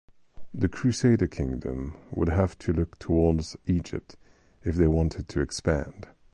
The crusader kingdom would have to look towards Egypt if they wanted to expand.